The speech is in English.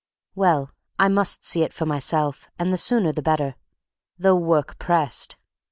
Well, I must see it for myself, and the sooner the better, though work pressed.